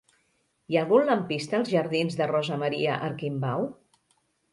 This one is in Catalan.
Hi ha algun lampista als jardins de Rosa Maria Arquimbau?